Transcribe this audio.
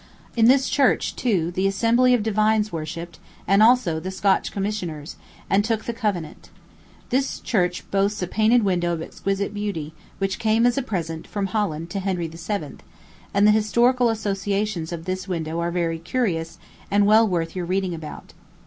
In this church, too, the Assembly of Divines worshipped, and also the Scotch commissioners, and took the covenant. This church boasts a painted window of exquisite beauty, which came as a present, from Holland, to Henry VII.; and the historical associations of this window are very curious, and well worth your reading about.